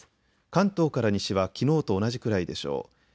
関東から西はきのうと同じくらいでしょう。